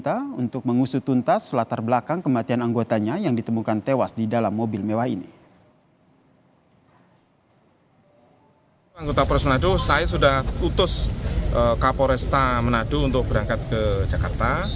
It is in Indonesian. anggota polres manado saya sudah utus kapolres manado untuk berangkat ke jakarta